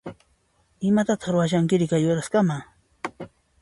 Imatataq ruwashankiri kay uraskama?